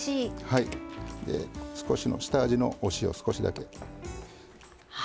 少し、下味のお塩、少しだけ。